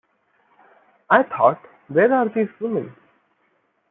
I thought, where are these women?